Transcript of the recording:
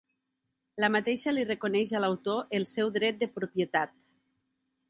La mateixa li reconeix a l'autor el seu dret de propietat.